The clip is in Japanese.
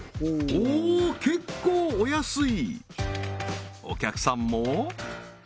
おお結構お安い！